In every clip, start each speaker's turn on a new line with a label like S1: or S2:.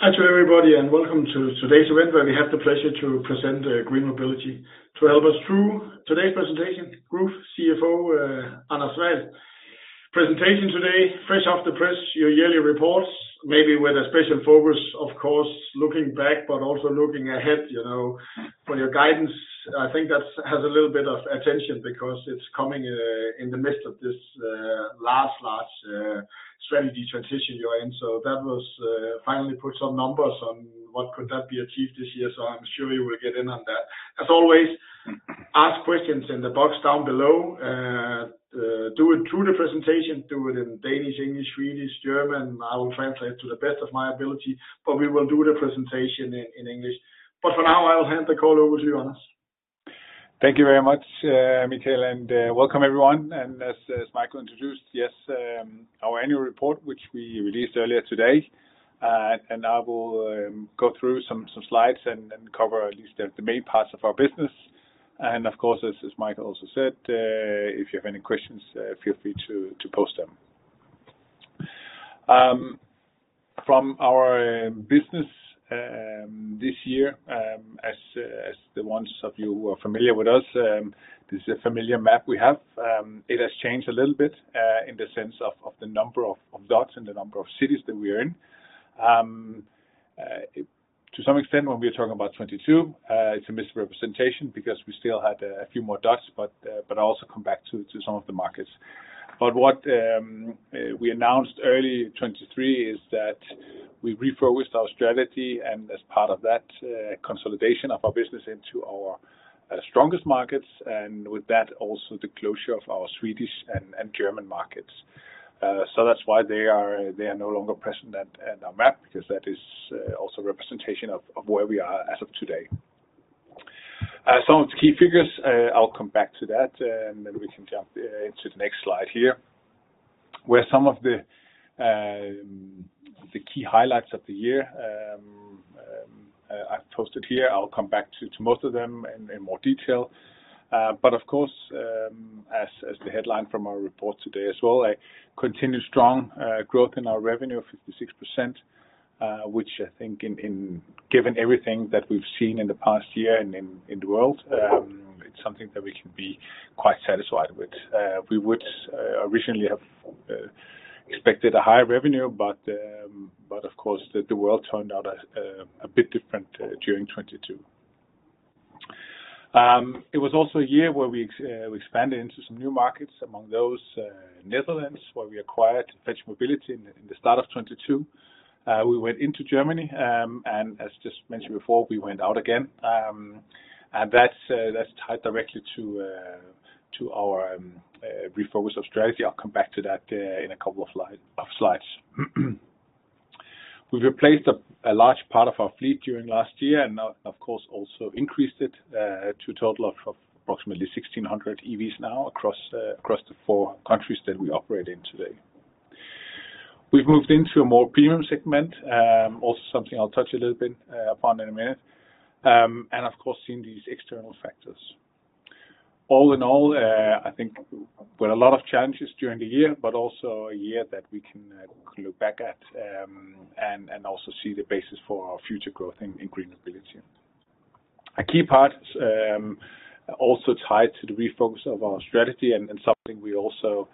S1: Hi to everybody, welcome to today's event, where we have the pleasure to present GreenMobility. To help us through today's presentation, Group CFO Anders Wall. Presentation today, fresh off the press, your yearly reports, maybe with a special focus, of course, looking back but also looking ahead, you know, for your guidance. I think that has a little bit of attention because it's coming in in the midst of this large strategy transition you're in. That was finally put some numbers on what could that be achieved this year, so I'm sure you will get in on that. As always, ask questions in the box down below. Do it through the presentation, do it in Danish, English, Swedish, German. I will translate to the best of my ability, but we will do the presentation in English. For now, I will hand the call over to you, Anders.
S2: Thank you very much, Michael, and welcome everyone. As Michael introduced, yes, our annual report, which we released earlier today, and I will go through some slides and cover at least the main parts of our business. Of course, as Michael also said, if you have any questions, feel free to post them. From our business this year, as the ones of you who are familiar with us, this is a familiar map we have. It has changed a little bit in the sense of the number of dots and the number of cities that we are in. To some extent, when we are talking about 2022, it's a misrepresentation because we still had a few more dots, but I'll also come back to some of the markets. What we announced early 2023 is that we refocused our strategy and as part of that, consolidation of our business into our strongest markets, and with that, also the closure of our Swedish and German markets. That's why they are no longer present at our map, because that is also a representation of where we are as of today. Some of the key figures, I'll come back to that, and maybe we can jump into the next slide here, where some of the key highlights of the year, I've posted here. I'll come back to most of them in more detail. Of course, as the headline from our report today as well, a continued strong growth in our revenue of 56%, which I think in given everything that we've seen in the past year and in the world, it's something that we can be quite satisfied with. We would originally have expected a higher revenue, of course, the world turned out a bit different during 2022. It was also a year where we expanded into some new markets. Among those, Netherlands, where we acquired Fetch Mobility in the start of 2022. We went into Germany, as just mentioned before, we went out again. That's tied directly to our refocus of strategy. I'll come back to that in a couple of slides. We've replaced a large part of our fleet during last year and now of course also increased it to a total of approximately 1,600 EVs now across the four countries that we operate in today. We've moved into a more premium segment, also something I'll touch a little bit upon in a minute. Of course, seen these external factors. All in all, I think with a lot of challenges during the year, but also a year that we can look back at and also see the basis for our future growth in GreenMobility. A key part, also tied to the refocus of our strategy and something we also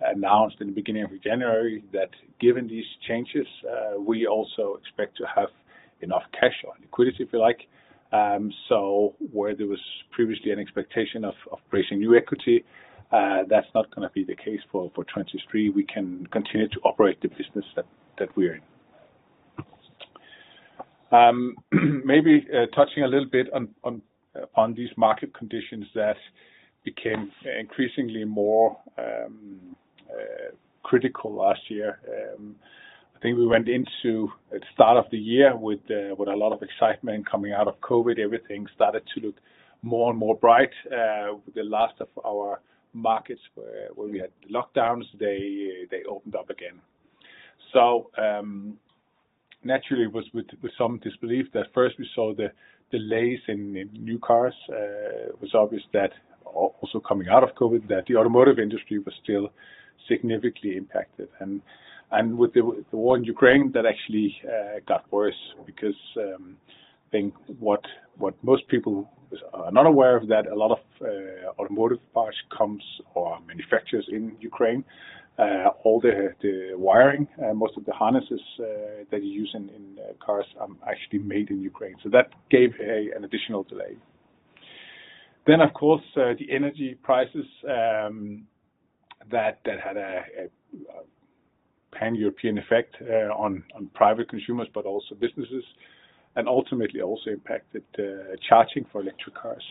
S2: announced in the beginning of January that given these changes, we also expect to have enough cash or liquidity, if you like. Where there was previously an expectation of raising new equity, that's not gonna be the case for 23. We can continue to operate the business that we're in. Maybe, touching a little bit on these market conditions that became increasingly more critical last year. I think we went into the start of the year with a lot of excitement coming out of COVID. Everything started to look more and more bright. The last of our markets where we had lockdowns, they opened up again. Naturally was with some disbelief that first we saw the delays in new cars. It was obvious that also coming out of COVID, that the automotive industry was still significantly impacted. With the war in Ukraine, that actually got worse because I think what most people are not aware of that a lot of automotive parts comes or are manufactured in Ukraine. All the wiring and most of the harnesses that you use in cars are actually made in Ukraine. That gave an additional delay. Of course, the energy prices that had a pan-European effect on private consumers, but also businesses, and ultimately also impacted charging for electric cars.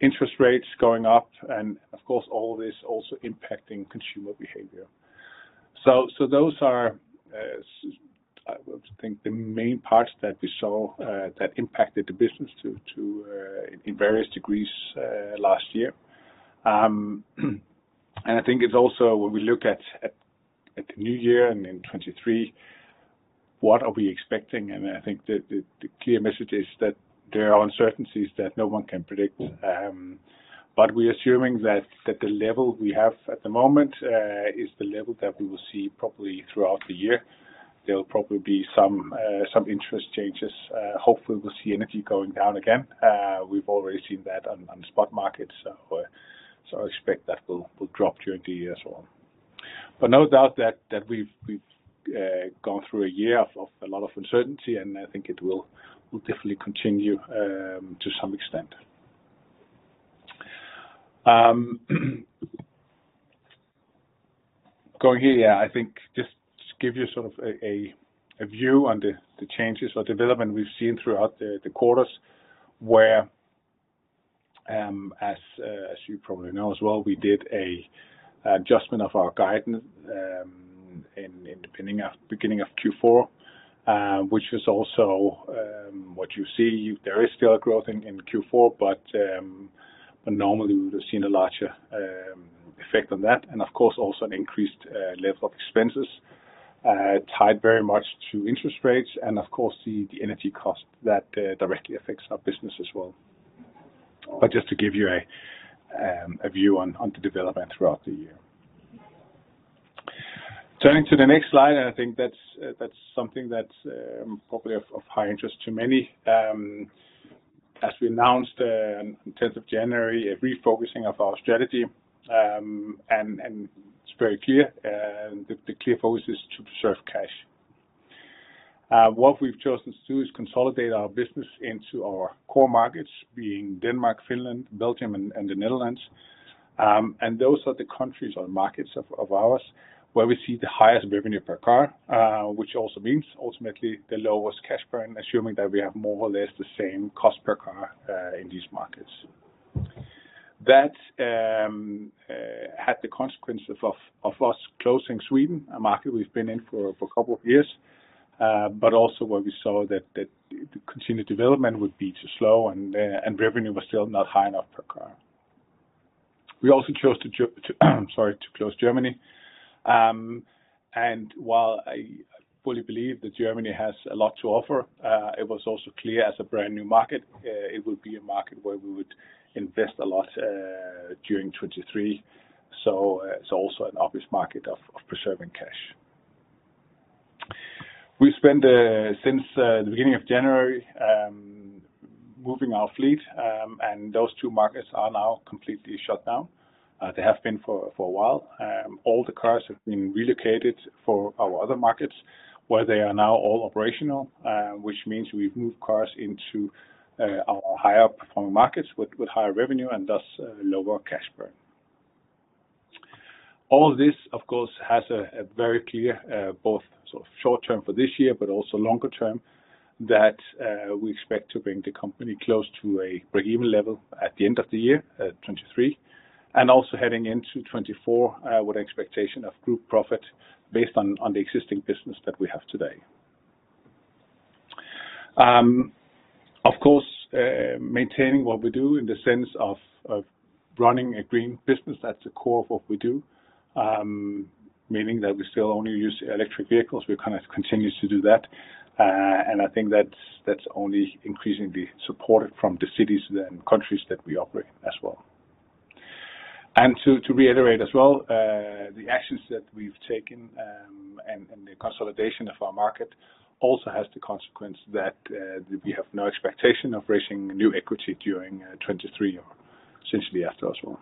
S2: Interest rates going up, of course, all this also impacting consumer behavior. Those are, I would think, the main parts that we saw that impacted the business in various degrees last year. I think it's also when we look at the new year and in 2023. What are we expecting? I think the clear message is that there are uncertainties that no one can predict. We're assuming that the level we have at the moment is the level that we will see probably throughout the year. There'll probably be some interest changes. Hopefully, we'll see energy going down again. We've already seen that on spot markets, so I expect that will drop during the year as well. No doubt that we've gone through a year of a lot of uncertainty, and I think it will definitely continue to some extent. Going here, I think just give you sort of a view on the changes or development we've seen throughout the quarters. Where as you probably know as well, we did an adjustment of our guidance in the beginning of Q4, which is also what you see. There is still a growth in Q4, but normally we would have seen a larger effect on that. Of course, also an increased level of expenses tied very much to interest rates and of course the energy cost that directly affects our business as well. Just to give you a view on the development throughout the year. Turning to the next slide, and I think that's something that's probably of high interest to many. As we announced 10th of January, a refocusing of our strategy, and it's very clear, the clear focus is to preserve cash. What we've chosen to do is consolidate our business into our core markets, being Denmark, Finland, Belgium, and the Netherlands. Those are the countries or markets of ours where we see the highest revenue per car, which also means ultimately the lowest cash burn, assuming that we have more or less the same cost per car in these markets. That had the consequence of us closing Sweden, a market we've been in for a couple of years, but also where we saw that the continued development would be too slow and revenue was still not high enough per car. We also chose to close Germany. While I fully believe that Germany has a lot to offer, it was also clear as a brand-new market, it would be a market where we would invest a lot during 2023. It's also an obvious market of preserving cash. We spent since the beginning of January moving our fleet, and those two markets are now completely shut down. They have been for a while. All the cars have been relocated for our other markets, where they are now all operational, which means we've moved cars into our higher performing markets with higher revenue and thus lower cash burn. All this, of course, has a very clear, both sort of short term for this year, but also longer term, that we expect to bring the company close to a breakeven level at the end of the year 2023. Also heading into 2024 with expectation of group profit based on the existing business that we have today. Of course, maintaining what we do in the sense of running a green business, that's the core of what we do. Meaning that we still only use electric vehicles. We kind of continue to do that. I think that's only increasingly supported from the cities and countries that we operate as well. To reiterate as well, the actions that we've taken, and the consolidation of our market also has the consequence that we have no expectation of raising new equity during 2023 or essentially after as well.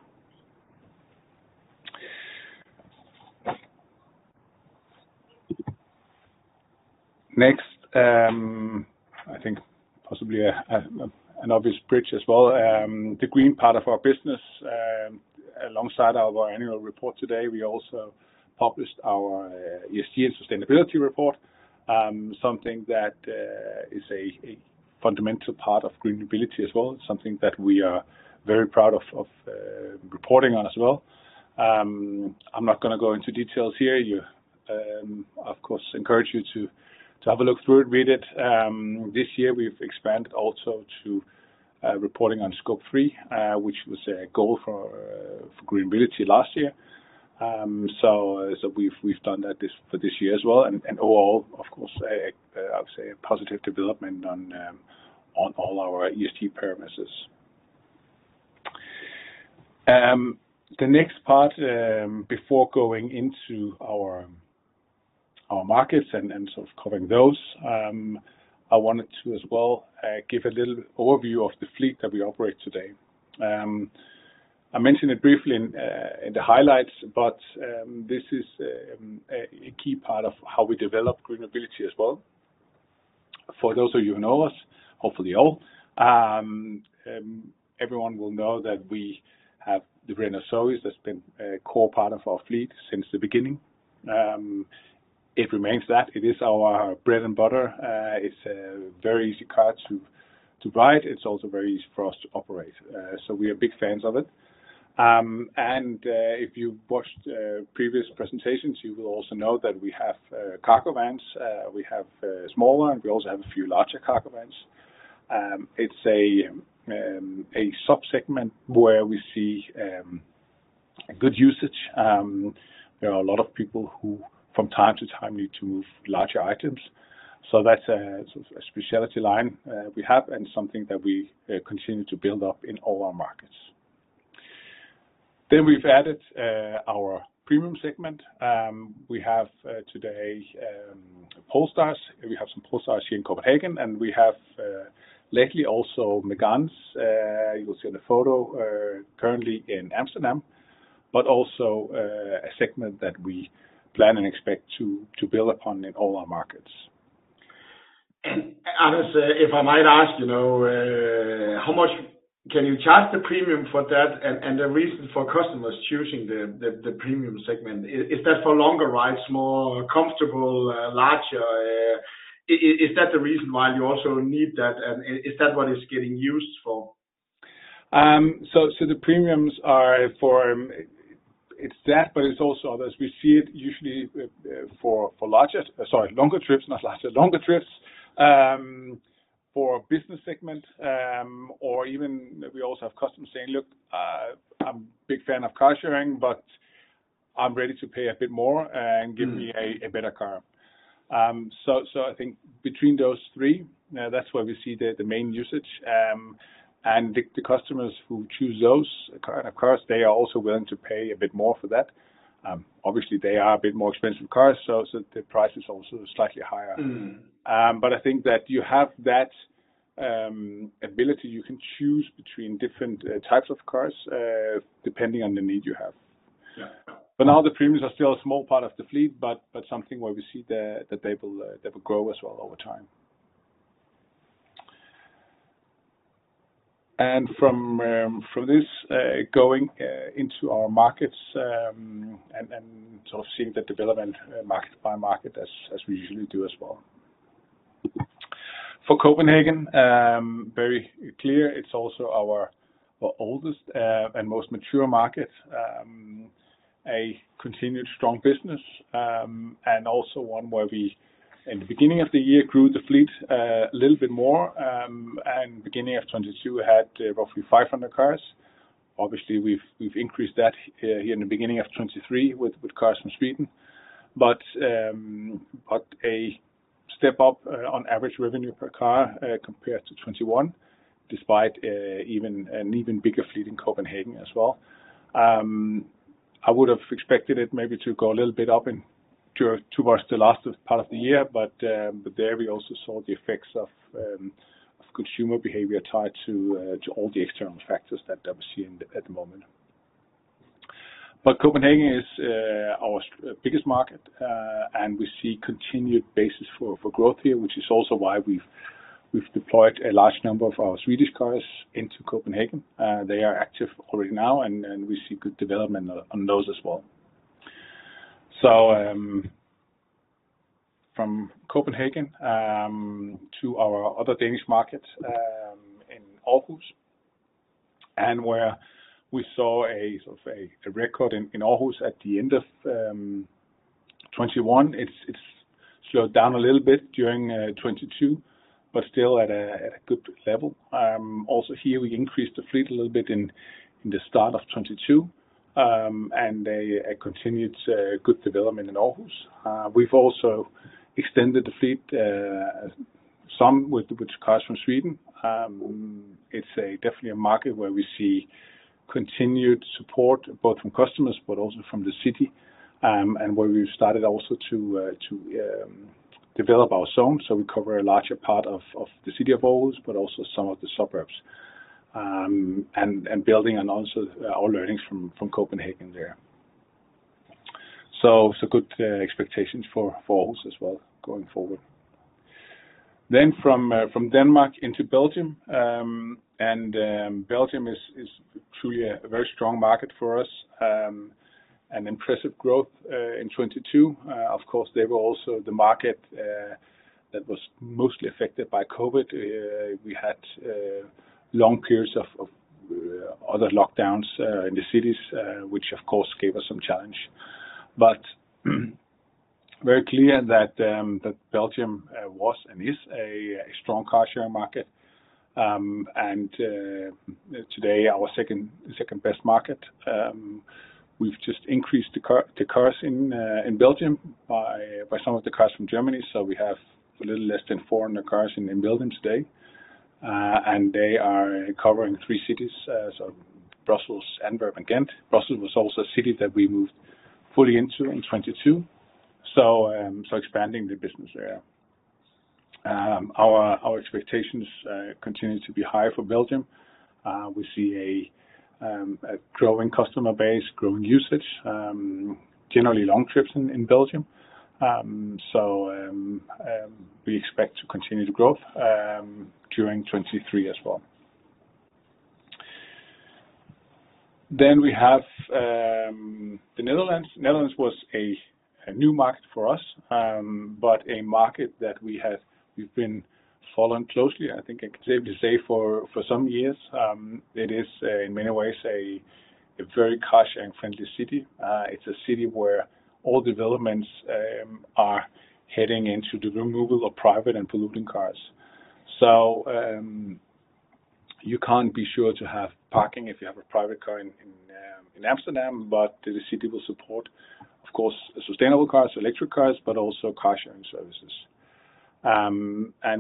S2: Next, I think possibly an obvious bridge as well, the green part of our business. Alongside our annual report today, we also published our ESG and sustainability report. Something that is a fundamental part of GreenMobility as well, something that we are very proud of reporting on as well. I'm not gonna go into details here. You, I of course encourage you to have a look through it, read it. This year we've expanded also to reporting on Scope 3, which was a goal for GreenMobility last year. We've done that this for this year as well. Overall, of course, a, I would say a positive development on all our ESG parameters. The next part, before going into our markets and sort of covering those, I wanted to as well give a little overview of the fleet that we operate today. I mentioned it briefly in the highlights, but this is a key part of how we develop GreenMobility as well. For those of you who know us, hopefully all, everyone will know that we have the Renault ZOE that's been a core part of our fleet since the beginning. It remains that. It is our bread and butter. It's a very easy car to ride. It's also very easy for us to operate. We are big fans of it. If you've watched previous presentations, you will also know that we have cargo vans. We have smaller and we also have a few larger cargo vans. It's a sub-segment where we see good usage. There are a lot of people who from time to time need to move larger items. That's a, sort of a specialty line we have and something that we continue to build up in all our markets. We've added our premium segment. We have today Polestars. We have some Polestars here in Copenhagen, and we have lately also Méganes, you will see in the photo, currently in Amsterdam, but also a segment that we plan and expect to build upon in all our markets.
S1: Anders, if I might ask, you know, how much can you charge the premium for that and the reason for customers choosing the premium segment? Is that for longer rides, more comfortable, larger? Is that the reason why you also need that and is that what it's getting used for?
S2: The premiums are for, it's that, but it's also as we see it usually for larger, sorry, longer trips, not larger, longer trips, for business segment, or even we also have customers saying, "Look, I'm a big fan of car sharing, but I'm ready to pay a bit more and give me a better car." I think between those three, that's where we see the main usage. The customers who choose those cars, they are also willing to pay a bit more for that. Obviously, they are a bit more expensive cars, so the price is also slightly higher.
S1: Mm.
S2: I think that you have that ability, you can choose between different types of cars, depending on the need you have.
S1: Yeah.
S2: Now the premiums are still a small part of the fleet, but something where we see that they will grow as well over time. From, from this, going into our markets, and sort of seeing the development, market by market as we usually do as well. For Copenhagen, very clear, it's also our oldest, and most mature market, a continued strong business, and also one where we, in the beginning of the year, grew the fleet, a little bit more. Beginning of 2022, we had roughly 500 cars. Obviously, we've increased that, here in the beginning of 2023 with cars from Sweden. A step up on average revenue per car compared to 21, despite even an even bigger fleet in Copenhagen as well. I would have expected it maybe to go a little bit up towards the last part of the year, but there we also saw the effects of consumer behavior tied to all the external factors that they were seeing at the moment. Copenhagen is our biggest market, and we see continued basis for growth here, which is also why we've deployed a large number of our Swedish cars into Copenhagen. They are active already now, and we see good development on those as well. From Copenhagen to our other Danish market in Aarhus, where we saw a sort of a record in Aarhus at the end of 2021. It's slowed down a little bit during 2022, but still at a good level. Also here we increased the fleet a little bit in the start of 2022, and a continued good development in Aarhus. We've also extended the fleet some with cars from Sweden. It's a definitely a market where we see continued support, both from customers, but also from the city, and where we've started also to develop our zone. We cover a larger part of the city of Aarhus, but also some of the suburbs. Building on also our learnings from Copenhagen there. Good expectations for Aarhus as well going forward. From Denmark into Belgium is truly a very strong market for us, an impressive growth in 22. Of course, they were also the market that was mostly affected by COVID. We had long periods of other lockdowns in the cities, which of course gave us some challenge. Very clear that Belgium was and is a strong car share market, today our second best market. We've just increased the cars in Belgium by some of the cars from Germany. We have a little less than 400 cars in Belgium today. They are covering three cities, so Brussels, Antwerp and Ghent. Brussels was also a city that we moved fully into in 2022, so expanding the business there. Our expectations continue to be high for Belgium. We see a growing customer base, growing usage, generally long trips in Belgium. We expect to continue the growth during 2023 as well. We have the Netherlands. Netherlands was a new market for us, but a market that we have, we've been following closely, I think I can safely say for some years. It is in many ways a very car sharing friendly city. It's a city where all developments are heading into the removal of private and polluting cars. You can't be sure to have parking if you have a private car in Amsterdam, the city will support, of course, sustainable cars, electric cars, but also car sharing services.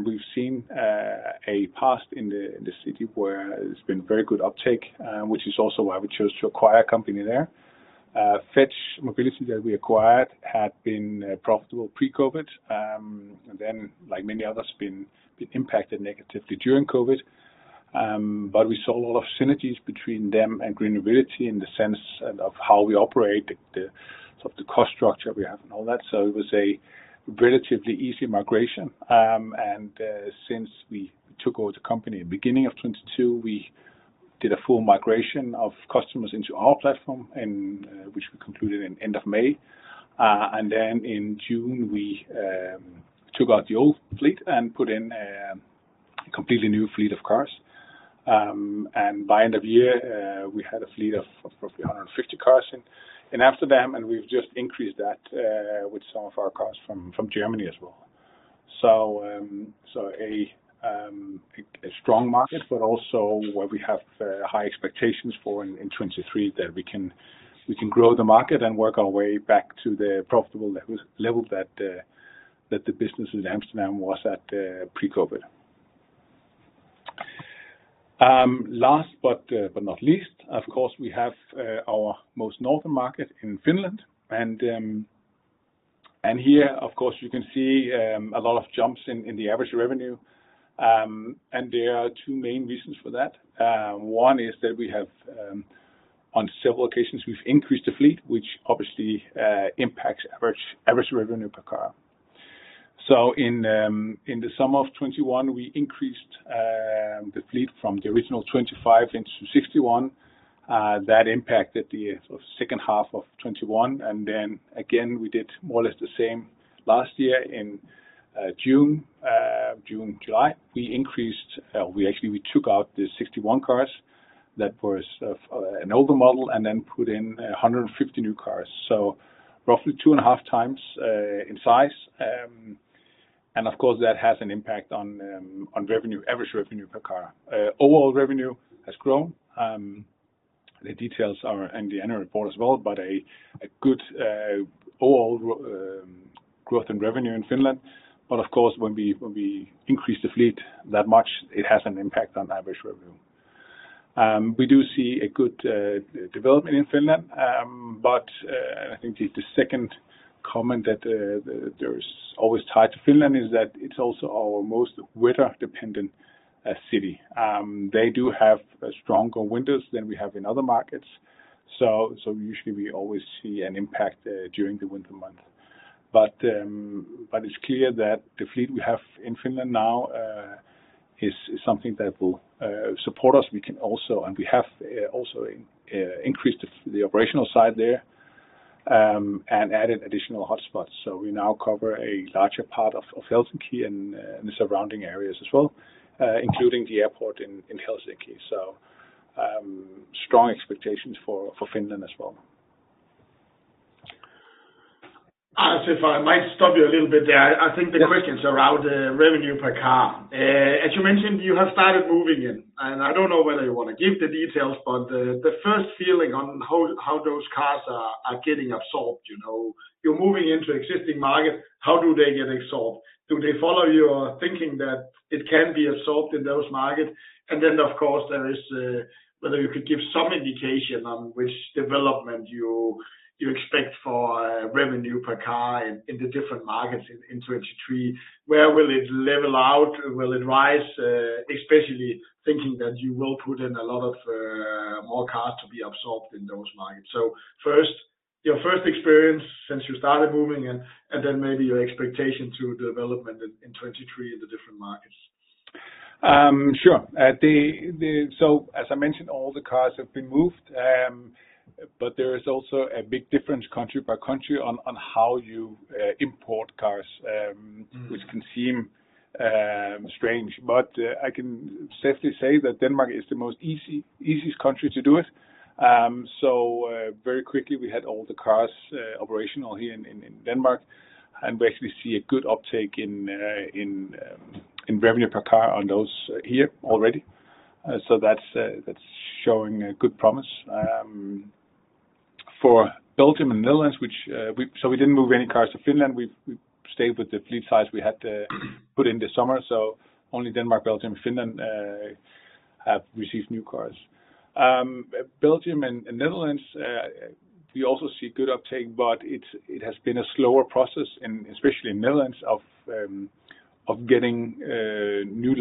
S2: We've seen a past in the city where there's been very good uptake, which is also why we chose to acquire a company there. Fetch Mobility that we acquired had been profitable pre-COVID, like many others, been impacted negatively during COVID. We saw a lot of synergies between them and GreenMobility in the sense of how we operate, the sort of the cost structure we have and all that. It was a relatively easy migration. Since we took over the company beginning of 2022, we did a full migration of customers into our platform, which we concluded in end of May. In June, we took out the old fleet and put in a completely new fleet of cars. By end of year, we had a fleet of roughly 150 cars in Amsterdam, and we've just increased that with some of our cars from Germany as well. A strong market, but also where we have high expectations for in 2023 that we can grow the market and work our way back to the profitable levels that the business in Amsterdam was at pre-COVID. Last but not least, of course, we have our most northern market in Finland and here, of course, you can see a lot of jumps in the average revenue. There are two main reasons for that. One is that we have on several occasions we've increased the fleet, which obviously impacts average revenue per car. In the summer of 2021, we increased the fleet from the original 25 into 61. That impacted the sort of second half of 2021. Again, we did more or less the same last year in June. June, July, we actually, we took out the 61 cars that was of an older model and then put in 150 new cars. Roughly 2.5 times in size. Of course, that has an impact on revenue, average revenue per car. Overall revenue has grown. The details are in the annual report as well, a good overall growth in revenue in Finland. Of course, when we increase the fleet that much, it has an impact on average revenue. We do see a good development in Finland. I think it's the second comment that there's always tied to Finland is that it's also our most weather-dependent city. They do have stronger winters than we have in other markets. Usually we always see an impact during the winter months. It's clear that the fleet we have in Finland now is something that will support us. We can also, and we have increased the operational side there, and added additional hotspots. We now cover a larger part of Helsinki and the surrounding areas as well, including the airport in Helsinki. Strong expectations for Finland as well.
S1: As if I might stop you a little bit there. I think the question is around revenue per car. As you mentioned, you have started moving in, and I don't know whether you wanna give the details, but the first feeling on how those cars are getting absorbed, you know. You're moving into existing markets, how do they get absorbed? Do they follow your thinking that it can be absorbed in those markets? Then of course there is whether you could give some indication on which development you expect for revenue per car in 23. Where will it level out? Will it rise? Especially thinking that you will put in a lot of more cars to be absorbed in those markets. First, your first experience since you started moving in, and then maybe your expectation to development in 2023 in the different markets.
S2: Sure. As I mentioned, all the cars have been moved, there is also a big difference country by country on how you import cars.
S1: Mm.
S2: Which can seem strange, but I can safely say that Denmark is the easiest country to do it. Very quickly, we had all the cars operational here in Denmark, and we actually see a good uptake in revenue per car on those here already. That's showing a good promise. For Belgium and Netherlands, which we didn't move any cars to Finland. We've stayed with the fleet size we had put in this summer. Only Denmark, Belgium, Finland have received new cars. Belgium and Netherlands, we also see good uptake, but it has been a slower process in, especially in Netherlands of getting new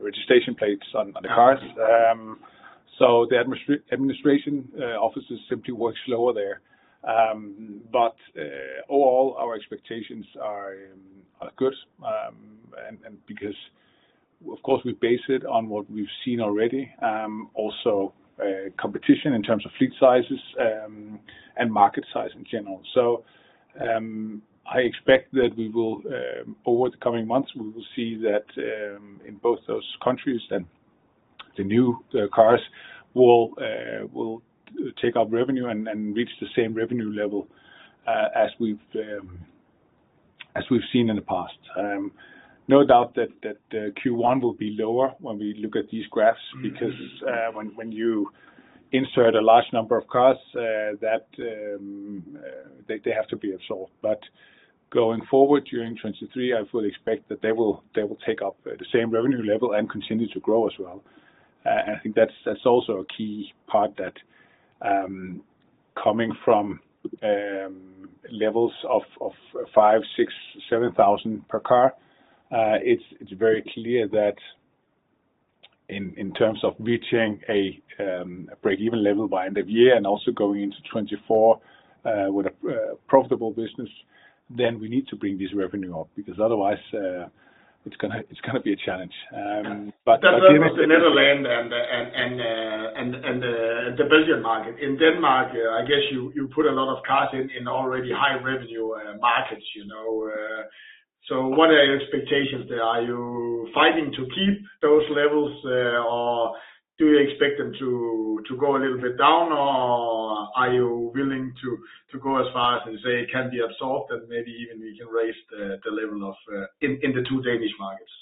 S2: registration plates on the cars. The administration offices simply work slower there. Overall our expectations are good. Because of course we base it on what we've seen already. Also, competition in terms of fleet sizes, and market size in general. I expect that we will over the coming months, we will see that in both those countries and the new cars will take up revenue and reach the same revenue level as we've seen in the past. No doubt that Q1 will be lower when we look at these graphs because when you insert a large number of cars, that they have to be absorbed. Going forward during 2023, I fully expect that they will take up the same revenue level and continue to grow as well. And I think that's also a key part that coming from levels of 5,000, 6,000, 7,000 per car, it's very clear that in terms of reaching a breakeven level by end of year and also going into 2024 with a profitable business, then we need to bring this revenue up because otherwise, it's gonna be a challenge.
S1: That was the Netherlands and the Belgian market. In Denmark, I guess you put a lot of cars in already high revenue markets, you know, so what are your expectations there? Are you fighting to keep those levels, or do you expect them to go a little bit down, or are you willing to go as far as and say it can be absorbed and maybe even we can raise the level of in the two Danish markets?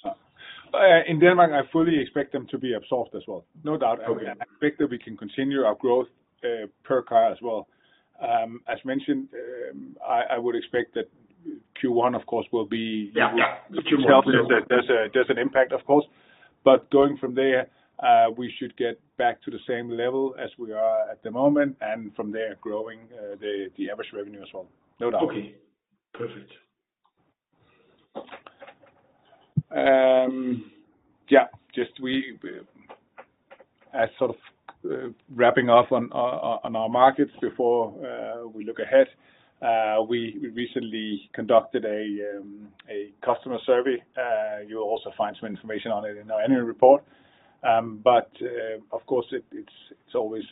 S2: In Denmark, I fully expect them to be absorbed as well. No doubt.
S1: Okay.
S2: I expect that we can continue our growth, per car as well. As mentioned, I would expect that Q1, of course, will be.
S1: Yeah. Q1.
S2: It tells us that there's an impact, of course. Going from there, we should get back to the same level as we are at the moment, and from there growing the average revenue as well. No doubt.
S1: Okay. Perfect.
S2: Yeah, just as sort of wrapping up on our, on our markets before we look ahead, we recently conducted a customer survey. You'll also find some information on it in our annual report. Of course it's always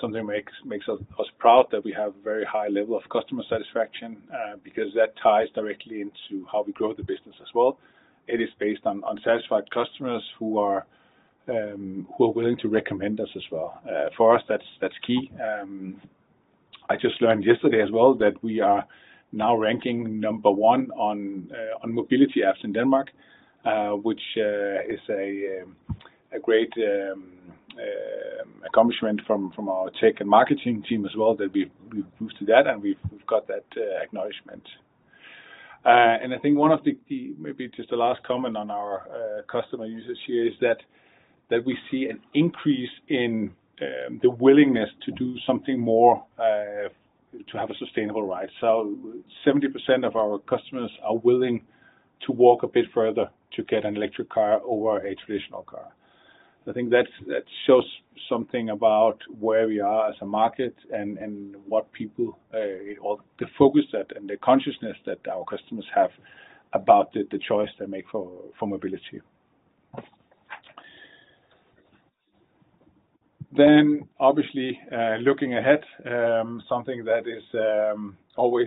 S2: something makes us proud that we have very high level of customer satisfaction, because that ties directly into how we grow the business as well. It is based on satisfied customers who are willing to recommend us as well. For us, that's key. I just learned yesterday as well that we are now ranking number 1 on mobility apps in Denmark, which is a great accomplishment from our tech and marketing team as well that we've boosted that and we've got that acknowledgement. I think one of the last comment on our customer usage here is that we see an increase in the willingness to do something more to have a sustainable ride. 70% of our customers are willing to walk a bit further to get an electric car over a traditional car. I think that shows something about where we are as a market and what people, or the focus that and the consciousness that our customers have about the choice they make for mobility. Obviously, looking ahead, something that is always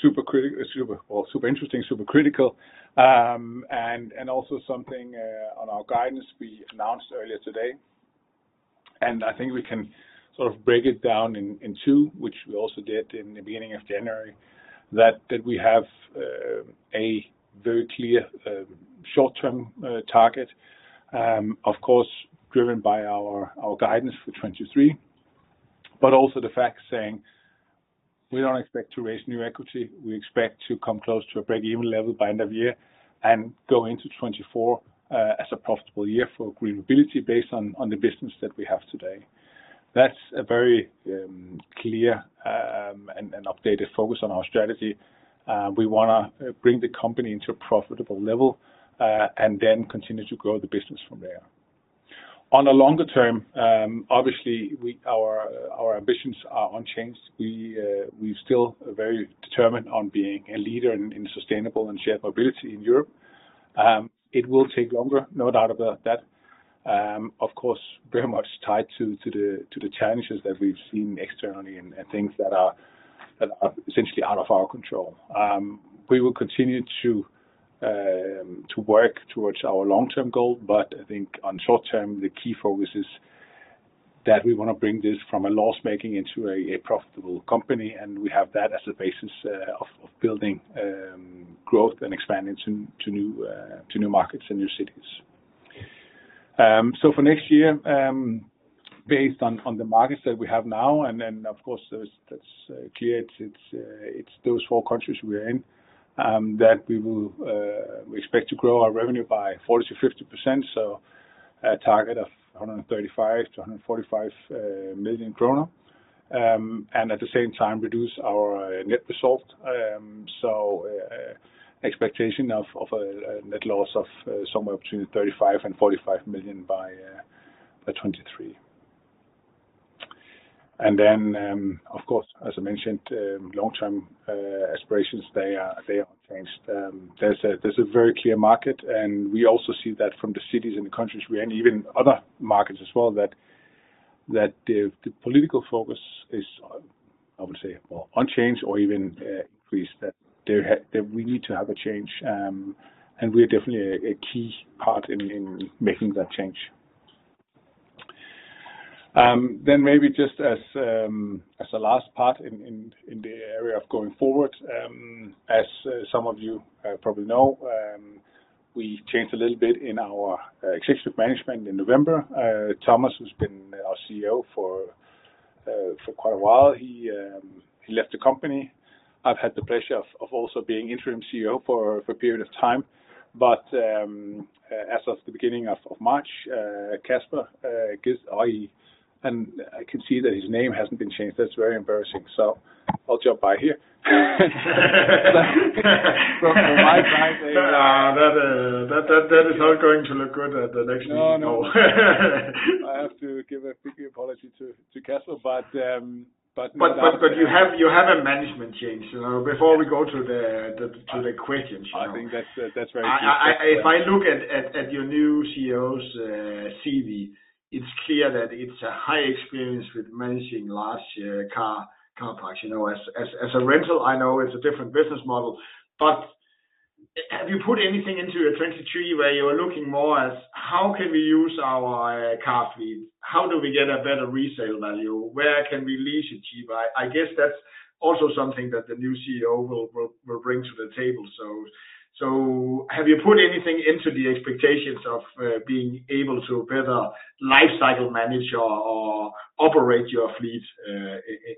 S2: super critical, super interesting, super critical, and also something on our guidance we announced earlier today, and I think we can sort of break it down in two, which we also did in the beginning of January, that we have a very clear short-term target, of course, driven by our guidance for 2023, but also the fact saying we don't expect to raise new equity. We expect to come close to a breakeven level by end of year and go into 2024 as a profitable year for GreenMobility based on the business that we have today. That's a very clear and updated focus on our strategy. We wanna bring the company into a profitable level and then continue to grow the business from there. On a longer term, obviously our ambitions are unchanged. We still are very determined on being a leader in sustainable and shared mobility in Europe. It will take longer, no doubt about that. Of course, very much tied to the challenges that we've seen externally and things that are essentially out of our control. We will continue to work towards our long-term goal, but I think on short term, the key focus is that we wanna bring this from a loss-making into a profitable company, and we have that as a basis of building growth and expanding to new markets and new cities. For next year, based on the markets that we have now, and then of course that's clear it's those four countries we're in, that we will, we expect to grow our revenue by 40%-50%. A target of 135 million-145 million kroner. At the same time reduce our net result. Expectation of a net loss of somewhere between 35 million and 45 million by 2023. Of course, as I mentioned, long-term aspirations, they are unchanged. There's a very clear market, and we also see that from the cities and the countries we're in, even other markets as well, that the political focus is, I would say, on change or even, increase that. That we need to have a change, and we are definitely a key part in making that change. Maybe just as a last part in the area of going forward, as some of you probably know, we changed a little bit in our executive management in November. Thomas, who's been our CEO for quite a while, he left the company. I've had the pleasure of also being interim CEO for a period of time. As of the beginning of March, Kasper Gjedsted. I can see that his name hasn't been changed. That's very embarrassing. I'll jump by here.
S1: From my side maybe. That is not going to look good at the next meeting,
S2: no. No, no. I have to give a big apology to Kasper.
S1: You have a management change. Before we go to the questions, you know.
S2: I think that's very key. Yes.
S1: If I look at your new CEO's CV, it's clear that it's a high experience with managing large car parks. You know, as a rental, I know it's a different business model, but have you put anything into your 2023 where you are looking more as how can we use our car fleet? How do we get a better resale value? Where can we lease it cheap? I guess that's also something that the new CEO will bring to the table. Have you put anything into the expectations of being able to better lifecycle manage or operate your fleet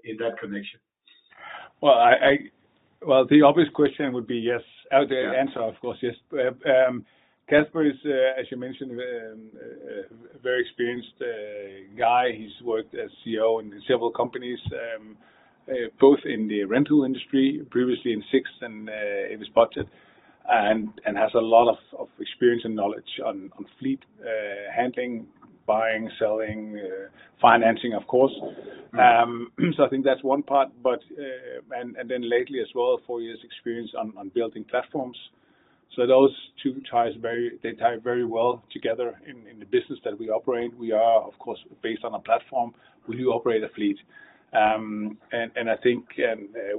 S1: in that connection?
S2: Well, the obvious question would be yes. Or the answer, of course, yes. Kasper is, as you mentioned, a very experienced guy. He's worked as CEO in several companies, both in the rental industry, previously in Sixt and Avis Budget, and has a lot of experience and knowledge on fleet handling, buying, selling, financing, of course. I think that's one part, but and then lately as well, four years experience on building platforms. Those two they tie very well together in the business that we operate. We are, of course, based on a platform where you operate a fleet. I think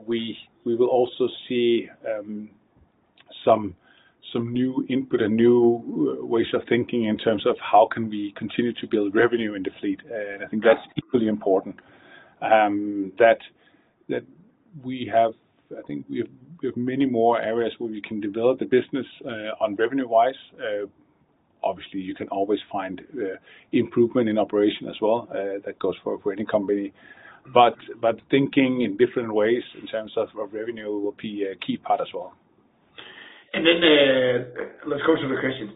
S2: we will also see some new input and new ways of thinking in terms of how can we continue to build revenue in the fleet. I think that's equally important, I think we have many more areas where we can develop the business, on revenue-wise. Obviously, you can always find improvement in operation as well. That goes for any company. Thinking in different ways in terms of revenue will be a key part as well.
S1: Then, let's go to the questions.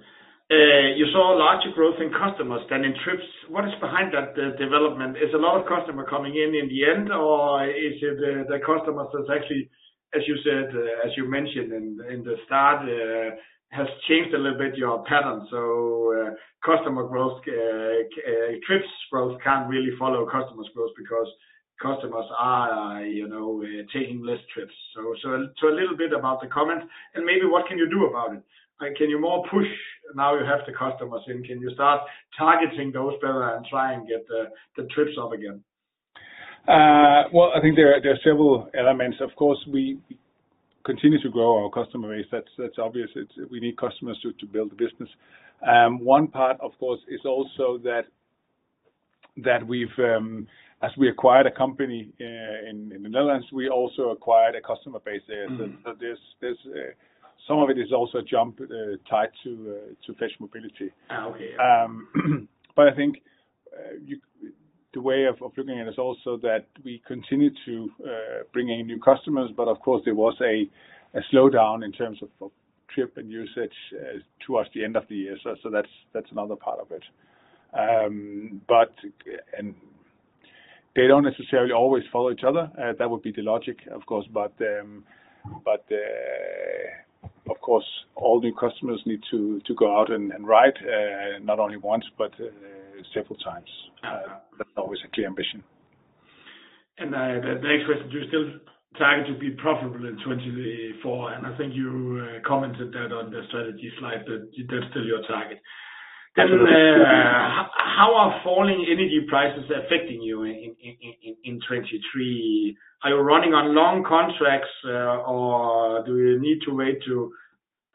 S1: You saw a larger growth in customers than in trips. What is behind that development? Is a lot of customer coming in in the end, or is it the customers that actually, as you said, as you mentioned in the start, has changed a little bit your pattern? Customer growth, trips growth can't really follow customer growth because customers are, you know, taking less trips. A little bit about the comment and maybe what can you do about it? Can you more push now you have the customers in, can you start targeting those better and try and get the trips up again?
S2: Well, I think there are several elements. Of course, we continue to grow our customer base. That's obvious. We need customers to build the business. One part, of course, is also that we've, as we acquired a company in the Netherlands, we also acquired a customer base there.
S1: Mm.
S2: There's some of it is also tied to Fetch Mobility.
S1: Okay.
S2: I think the way of looking at it is also that we continue to bring in new customers, but of course, there was a slowdown in terms of trip and usage towards the end of the year. That's another part of it. They don't necessarily always follow each other. That would be the logic, of course, but of course, all new customers need to go out and ride not only once, but several times. That's always a clear ambition.
S1: The next question, you still target to be profitable in 2023, 2024, and I think you commented that on the strategy slide that that's still your target. How are falling energy prices affecting you in 2023? Are you running on long contracts or do you need to wait to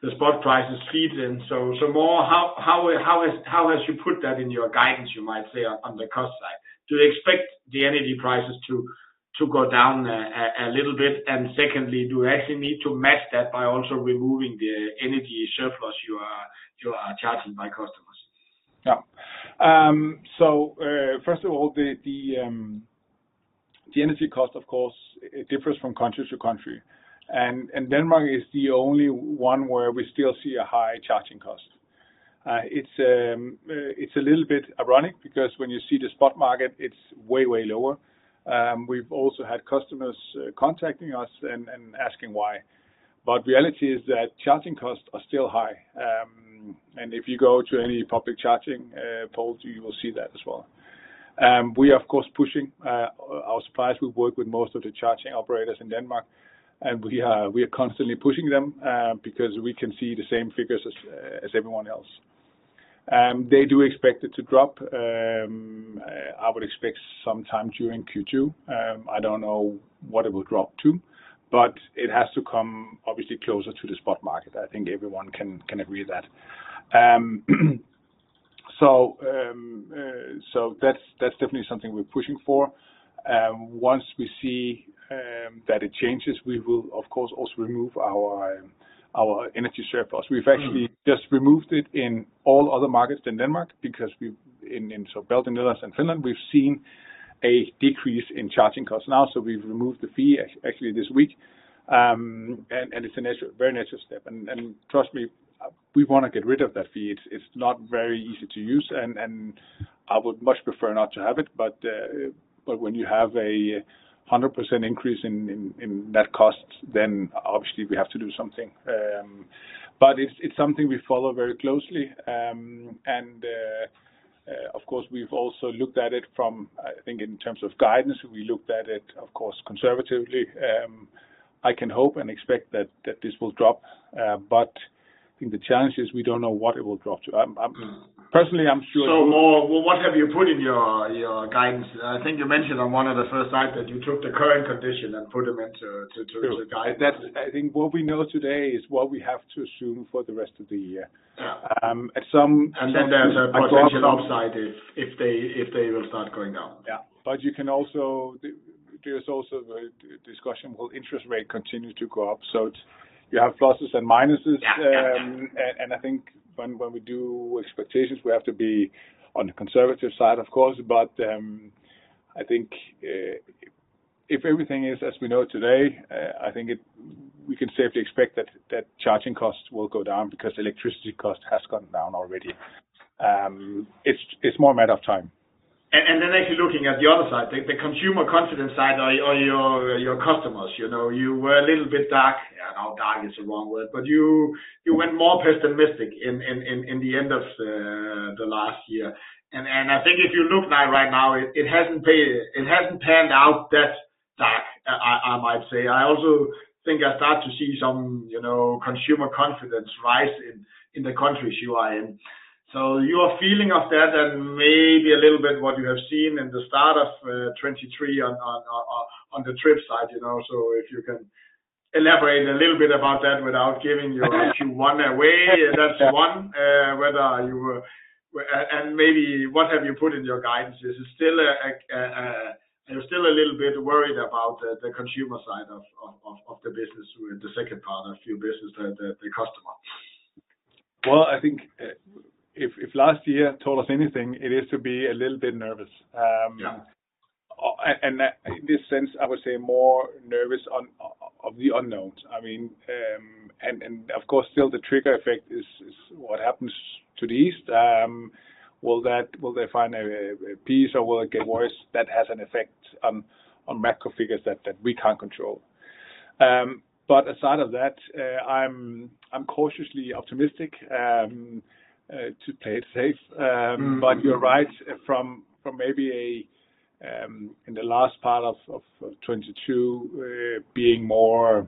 S1: the spot prices feed in? More how has you put that in your guidance, you might say, on the cost side? Do you expect the energy prices to go down a little bit? Secondly, do you actually need to match that by also removing the energy surplus you are charging by customers?
S2: First of all, the energy cost, of course, it differs from country to country. Denmark is the only one where we still see a high charging cost. It's a little bit ironic because when you see the spot market, it's way lower. We've also had customers contacting us and asking why. Reality is that charging costs are still high. If you go to any public charging poles, you will see that as well. We are, of course, pushing our suppliers. We work with most of the charging operators in Denmark. We are constantly pushing them because we can see the same figures as everyone else. They do expect it to drop. I would expect sometime during Q2. I don't know what it will drop to, but it has to come obviously closer to the spot market. I think everyone can agree with that. That's definitely something we're pushing for. Once we see that it changes, we will of course also remove our energy surplus. We've actually just removed it in all other markets than Denmark because in Belgium, Netherlands, and Finland, we've seen a decrease in charging costs now, so we've removed the fee actually this week. It's a very natural step. Trust me, we wanna get rid of that fee. It's not very easy to use and I would much prefer not to have it. When you have a 100% increase in net costs, then obviously we have to do something. It's something we follow very closely. Of course, we've also looked at it from, I think in terms of guidance, we looked at it, of course, conservatively. I can hope and expect that this will drop. I think the challenge is we don't know what it will drop to. Personally, I'm sure-
S1: What have you put in your guidance? I think you mentioned on one of the first slides that you took the current condition and put them into.
S2: True
S1: To guidance.
S2: I think what we know today is what we have to assume for the rest of the year.
S1: Yeah.
S2: Um, at some-
S1: There's a potential upside if they will start going down.
S2: Yeah. There's also the discussion, will interest rate continue to go up? You have pluses and minuses.
S1: Yeah. Yeah.
S2: I think when we do expectations, we have to be on the conservative side, of course. I think, if everything is as we know today, I think we can safely expect that charging costs will go down because electricity cost has gone down already. It's more a matter of time.
S1: Then actually looking at the other side, the consumer confidence side are your customers, you know. You were a little bit dark. Yeah, now dark is the wrong word, but you went more pessimistic in the end of the last year. I think if you look now, right now, it hasn't panned out that dark, I might say. I also think I start to see some, you know, consumer confidence rising in the countries you are in. Your feeling of that and maybe a little bit what you have seen in the start of 2023 on the trip side, you know. If you can elaborate a little bit about that without giving your Q1 away. That's one, whether you... maybe what have you put in your guidance? Is it still, are you still a little bit worried about the consumer side of the business or the second part of your business, the customer?
S2: I think, if last year told us anything, it is to be a little bit nervous.
S1: Yeah.
S2: In this sense, I would say more nervous of the unknowns. I mean, of course, still the trigger effect is what happens to the East. Will they find a peace or will it get worse? That has an effect on macro figures that we can't control. Aside of that, I'm cautiously optimistic to play it safe. You're right from maybe a in the last part of 2022, being more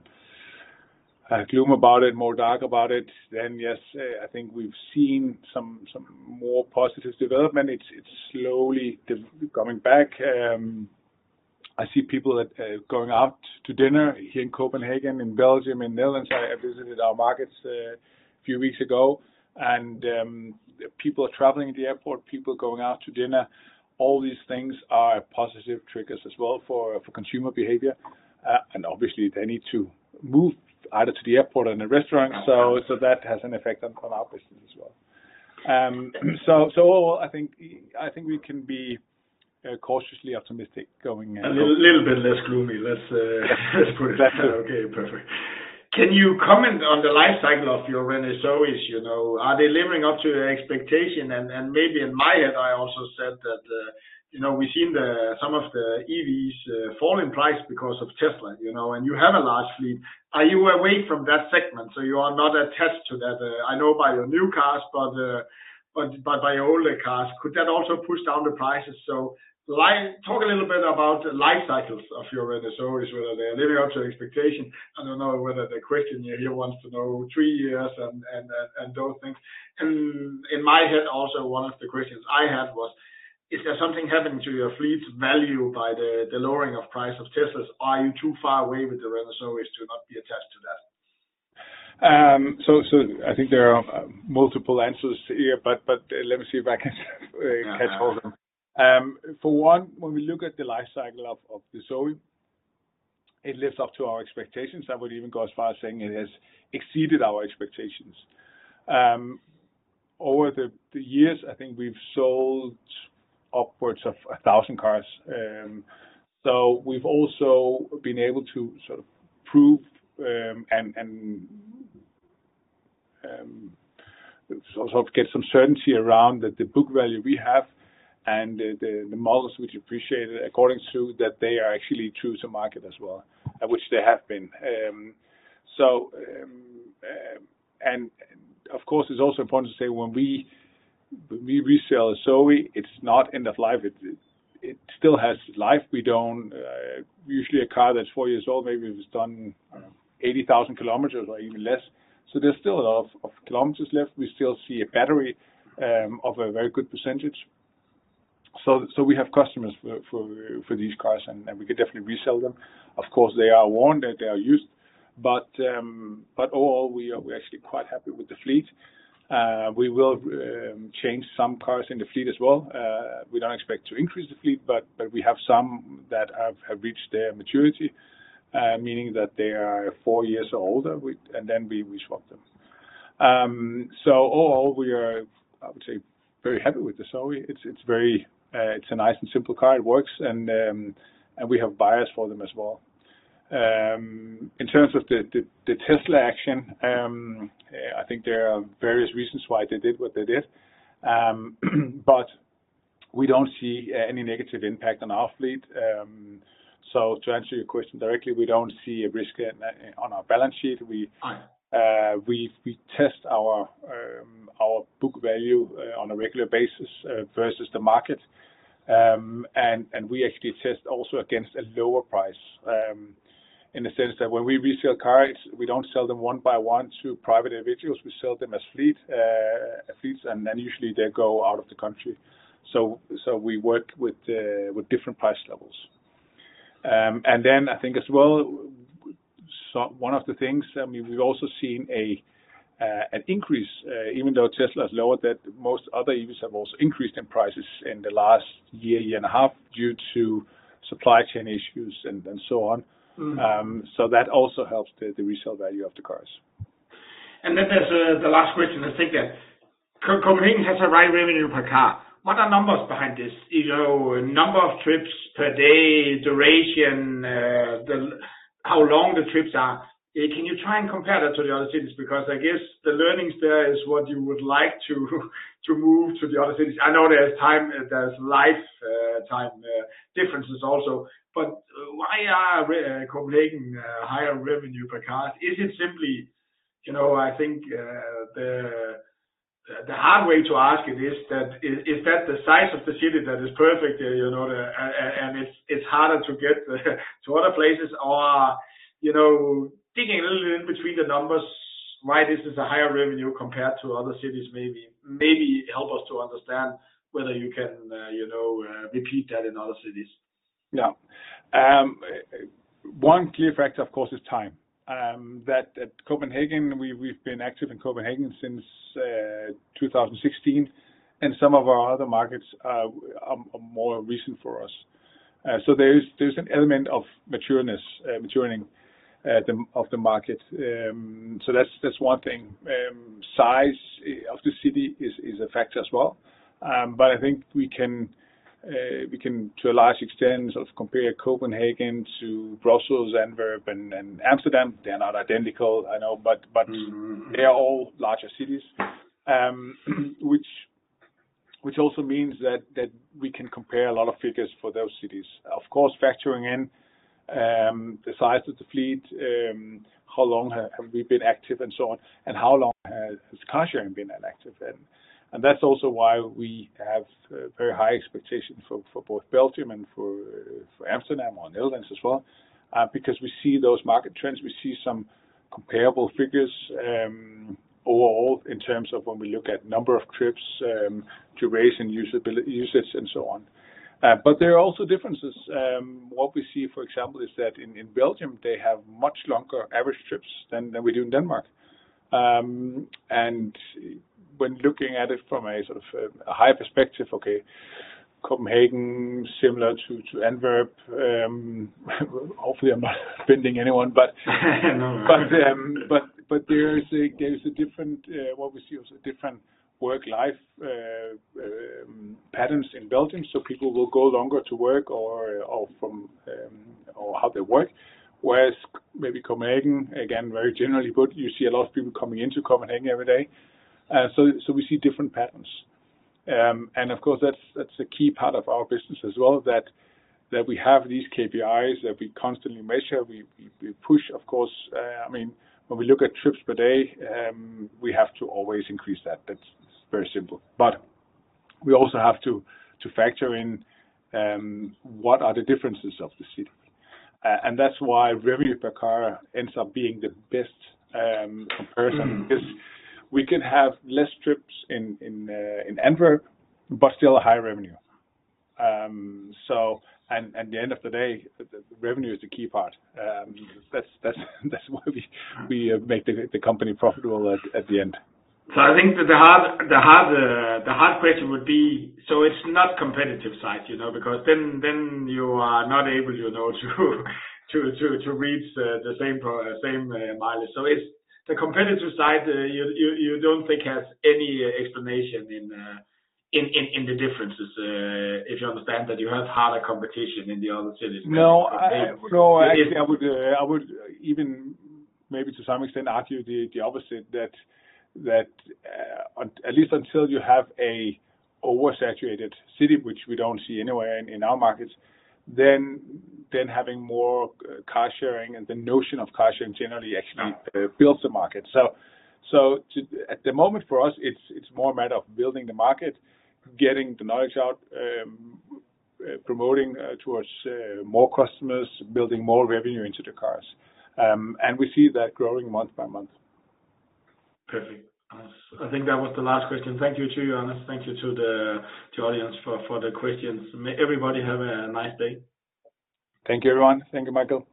S2: gloom about it, more dark about it, then yes, I think we've seen some more positive development. It's slowly coming back. I see people going out to dinner here in Copenhagen, in Belgium, in Netherlands. I visited our markets a few weeks ago and people are traveling at the airport, people going out to dinner. All these things are positive triggers as well for consumer behavior. Obviously they need to move either to the airport or in a restaurant. That has an effect on our business as well. Overall, I think we can be cautiously optimistic.
S1: A little bit less gloomy. Let's, let's put it that way.
S2: Yeah.
S1: Okay, perfect. Can you comment on the life cycle of your Renault ZOE, you know? Are they living up to the expectation? Maybe in my head, I also said that, you know, we've seen some of the EVs fall in price because of Tesla, you know, and you have a large fleet. Are you away from that segment, so you are not attached to that? I know by your new cars, but by your older cars, could that also push down the prices? Talk a little bit about the life cycles of your Renault ZOE, whether they're living up to the expectation. I don't know whether the question here wants to know 3 years and those things. In my head also, one of the questions I had was, is there something happening to your fleet's value by the lowering of price of Teslas? Are you too far away with the Renault ZOE to not be attached to that?
S2: So I think there are multiple answers here, but let me see if I can catch all of them. For one, when we look at the life cycle of the ZOE, it lives up to our expectations. I would even go as far as saying it has exceeded our expectations. Over the years, I think we've sold upwards of 1,000 cars. So we've also been able to sort of prove and get some certainty around the book value we have and the models which appreciated according to that they are actually true to market as well, at which they have been. Of course, it's also important to say when we resell a ZOE, it's not end of life. It still has life. We don't. Usually a car that's four years old, maybe it has done 80,000 km or even less. There's still a lot of kilometers left. We still see a battery of a very good percentage. We have customers for these cars, and we could definitely resell them. Of course, they are warned that they are used, but all we are, we're actually quite happy with the fleet. We will change some cars in the fleet as well. We don't expect to increase the fleet, but we have some that have reached their maturity, meaning that they are four years or older. We swap them. All we are, I would say, very happy with the ZOE. It's very, it's a nice and simple car. It works and we have buyers for them as well. In terms of the Tesla action, I think there are various reasons why they did what they did. We don't see any negative impact on our fleet. To answer your question directly, we don't see a risk in that on our balance sheet.
S1: Fine.
S2: We test our book value on a regular basis versus the market. We actually test also against a lower price in the sense that when we resell cars, we don't sell them one by one to private individuals. We sell them as fleets, usually they go out of the country. We work with different price levels. I think as well, one of the things, I mean, we've also seen an increase, even though Tesla has lowered that most other EVs have also increased in prices in the last year and a half due to supply chain issues and so on.
S1: Mm.
S2: That also helps the resale value of the cars.
S1: There's the last question. I think that Copenhagen has a high revenue per car. What are numbers behind this? You know, number of trips per day, duration, how long the trips are. Can you try and compare that to the other cities? I guess the learnings there is what you would like to move to the other cities. I know there's time, there's life, time, differences also. Why are Copenhagen higher revenue per car? Is it simply, you know, I think the hard way to ask it is that the size of the city that is perfect, you know, and it's harder to get to other places or, you know, digging a little in between the numbers why this is a higher revenue compared to other cities maybe. Maybe help us to understand whether you can, you know, repeat that in other cities.
S2: One key factor, of course, is time. That Copenhagen, we've been active in Copenhagen since 2016 and some of our other markets are more recent for us. There's an element of matureness, maturing of the market. That's one thing. Size of the city is a factor as well. I think we can to a large extent sort of compare Copenhagen to Brussels, Antwerp, and Amsterdam. They're not identical, I know, but.
S1: Mm.
S2: They are all larger cities. Which also means that we can compare a lot of figures for those cities. Of course, factoring in the size of the fleet, how long have we been active and so on, and how long has car sharing been active. That's also why we have very high expectations for both Belgium and for Amsterdam or the Netherlands as well, because we see those market trends. We see some comparable figures overall in terms of when we look at number of trips, duration, usability, usage, and so on. There are also differences. What we see, for example, is that in Belgium, they have much longer average trips than we do in Denmark. When looking at it from a sort of, a high perspective, okay, Copenhagen similar to Antwerp, hopefully I'm not offending anyone.
S1: No.
S2: There is a, there is a different, what we see also different work-life patterns in Belgium, so people will go longer to work or from, or how they work. Whereas maybe Copenhagen, again, very generally, but you see a lot of people coming into Copenhagen every day. We see different patterns. Of course that's a key part of our business as well, that we have these KPIs that we constantly measure. We push, of course, I mean, when we look at trips per day, we have to always increase that. That's very simple. We also have to factor in what are the differences of the city. That's why revenue per car ends up being the best comparison-
S1: Mm.
S2: We could have less trips in Antwerp, but still a higher revenue. At the end of the day, the revenue is the key part. That's why we make the company profitable at the end.
S1: I think that the hard question would be so it's not competitive sites, you know, because then you are not able, you know, to reach the same mileage. It's the competitive side, you don't think has any explanation in the differences, if you understand that you have harder competition in the other cities?
S2: No.
S1: than you have in Copenhagen.
S2: I would even maybe to some extent argue the opposite that at least until you have an oversaturated city, which we don't see anywhere in our markets, then having more car sharing and the notion of car sharing generally actually builds the market. At the moment, for us, it's more a matter of building the market, getting the knowledge out, promoting towards more customers, building more revenue into the cars. We see that growing month by month.
S1: Perfect. I think that was the last question. Thank you to you, Anders. Thank you to the audience for the questions. May everybody have a nice day.
S2: Thank you, everyone. Thank you, Michael.